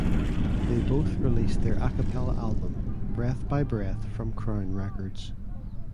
They both released their "a cappella" album "Breath by Breath" from Crown Records.